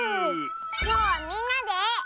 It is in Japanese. きょうはみんなで。